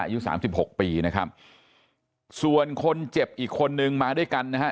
อายุสามสิบหกปีนะครับส่วนคนเจ็บอีกคนนึงมาด้วยกันนะฮะ